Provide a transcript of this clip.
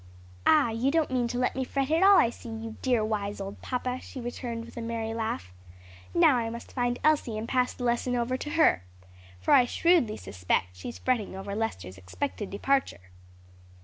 "Ah, you don't mean to let me fret at all, I see, you dear, wise old papa," she returned with a merry laugh. "Now I must find Elsie and pass the lesson over to her. For I shrewdly suspect she's fretting over Lester's expected departure."